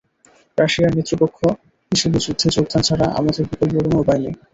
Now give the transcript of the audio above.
রাশিয়ার মিত্রপক্ষ হিসেবে যুদ্ধে যোগদান ছাড়া আমাদের বিকল্প কোনো উপায় নেই।